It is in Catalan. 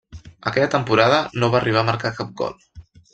Aquella temporada no va arribar a marcar cap gol.